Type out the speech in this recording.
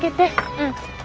うん。